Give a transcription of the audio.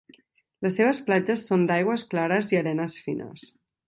Les seves platges són d'aigües clares i arenes fines.